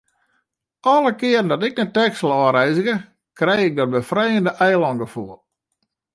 Alle kearen dat ik nei Texel ôfreizgje, krij ik dat befrijende eilângefoel.